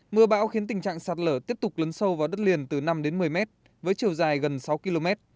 mưa bão khiến tình trạng sạt lở tiếp tục lấn sâu vào đất liền từ năm đến một mươi mét với chiều dài gần sáu km